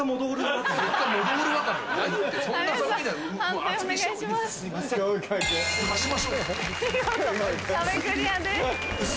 見事壁クリアです。